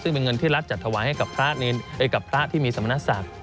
ซึ่งเป็นเงินที่รัฐจัดถวายให้กับพระที่มีสมนัสศาสตร์